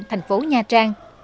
thành phố nha trang